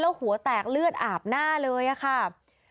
แล้วหัวแตกเลือดอาบหน้าเลยค่ะ